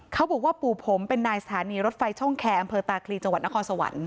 เขาบอกว่าปู่ผมเป็นนายสถานีรถไฟช่องแคร์อำเภอตาคลีจังหวัดนครสวรรค์